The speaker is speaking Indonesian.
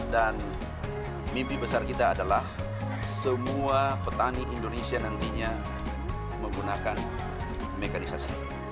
dan mimpi besar kita adalah semua petani indonesia nantinya menggunakan mekanisasi